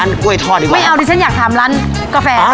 ช่วยอะไรไม่ได้เราก็ขโมยของแล้วล่ะ